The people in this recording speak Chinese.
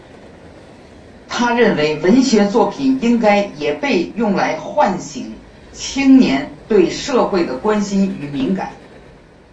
他认为文学作品应该也被用来唤醒青年对社会的关心与敏感。